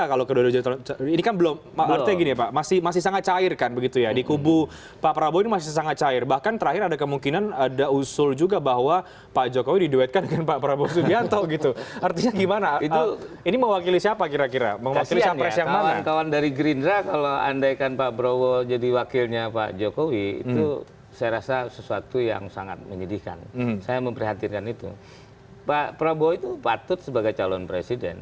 artinya karena sebagai koordinator